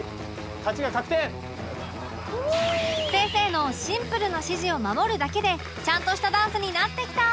先生のシンプルな指示を守るだけでちゃんとしたダンスになってきた！